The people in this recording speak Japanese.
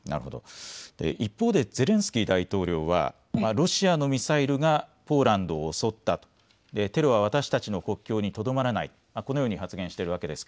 一方でゼレンスキー大統領はロシアのミサイルがポーランドを襲ったと、テロは私たちの国境にとどまらないと発言しています。